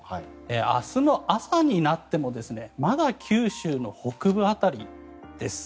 明日の朝になってもまだ九州の北部辺りです。